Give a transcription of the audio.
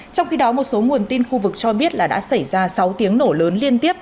trong khi đó một số nguồn tin khu vực cho biết là đã xảy ra sáu tiếng nổ lớn liên tiếp